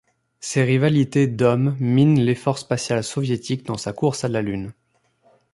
Ces rivalités d'hommes minent l'effort spatial soviétique dans sa course à la Lune.